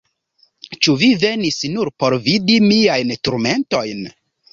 Ĉu vi venis nur por vidi miajn turmentojn?